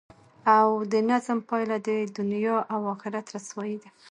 او دظلم پایله د دنیا او اخرت رسوايي ده،